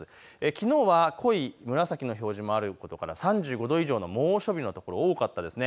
きのうは濃い紫の表示もあることから３５度以上の猛暑日の所、多かったです。